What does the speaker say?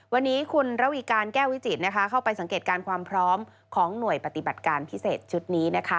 วันนี้คุณระวีการแก้ววิจิตรนะคะเข้าไปสังเกตการณ์ความพร้อมของหน่วยปฏิบัติการพิเศษชุดนี้นะคะ